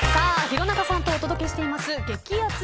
廣中さんとお届けしています激アツ！